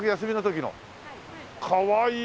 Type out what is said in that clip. かわいい。